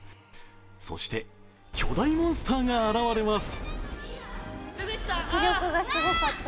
そして、巨大モンスターが現れます